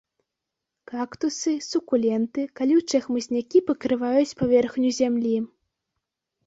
Кактусы, сукуленты, калючыя хмызнякі пакрываюць паверхню зямлі.